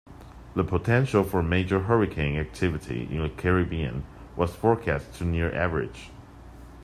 The potential for major hurricane activity in the Caribbean was forecast to near average.